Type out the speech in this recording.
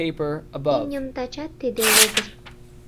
Имньым тачат тиде лопыш